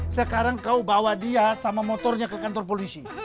sekarang kau bawa dia sama motornya ke kantor polisi